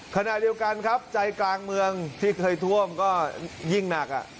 ขณะเดียวกันครับใจกลางเมืองที่เคยท่วมก็ยิ่งหนัก